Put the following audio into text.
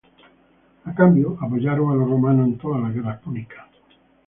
A cambio, apoyaron a los romanos en todas las guerras púnicas.